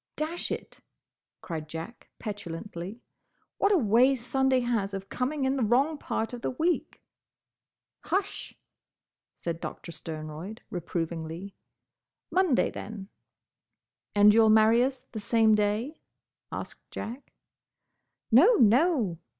"Dash it!" cried Jack, petulantly. "What a way Sunday has of coming in the wrong part of the week!" "Hush!" said Doctor Sternroyd, reprovingly, "Monday, then." "And you'll marry us the same day?" asked Jack. "No, no!"